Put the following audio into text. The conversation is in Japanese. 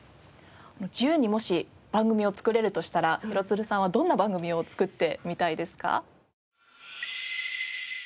自由にもし番組を作れるとしたら廣津留さんはどんな番組を作ってみたいですか？